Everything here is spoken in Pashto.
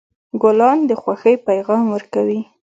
ګلان د خوښۍ پیغام ورکوي.